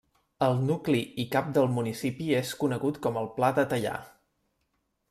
El nucli i cap del municipi és conegut com el Pla de Teià.